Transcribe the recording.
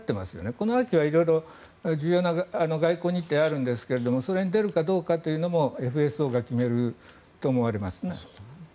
この秋は色々重要な外交日程があるんですがそれに出るかどうかというのもＦＳＯが決めると思われますね。